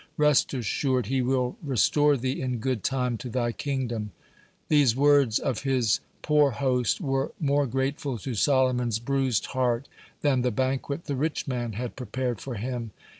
Rest assured, He will restore thee in good time to thy kingdom." These words of his poor host were more grateful to Solomon's bruised heart than the banquet the rich man had prepared for him.